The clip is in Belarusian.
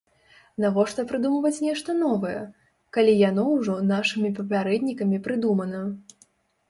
Навошта прыдумваць нешта новае, калі яно ўжо нашымі папярэднікамі прыдумана?